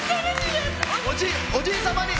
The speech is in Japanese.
おじい様に！